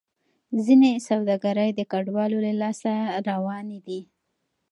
ځینې سوداګرۍ د کډوالو له لاسه روانې دي.